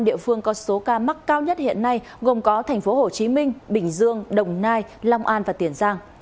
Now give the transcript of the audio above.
năm địa phương có số ca mắc cao nhất hiện nay gồm có tp hcm bình dương đồng nai long an và tiền giang